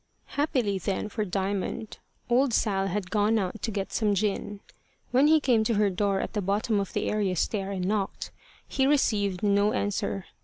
Happily then for Diamond, old Sal had gone out to get some gin. When he came to her door at the bottom of the area stair and knocked, he received no answer.